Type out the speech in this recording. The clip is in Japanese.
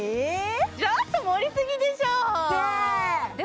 ちょっと盛り過ぎでしょ！